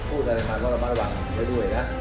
พูดอะไรมาก็ระมัดระวังไว้ด้วยนะ